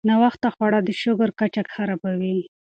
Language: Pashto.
ناوخته خواړه د شکر کچه خرابوي.